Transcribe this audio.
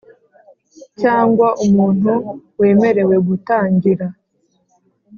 cyangwa umuntu wemerewe gutangira.